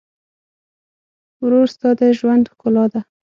ورور ستا د ژوند ښکلا ده.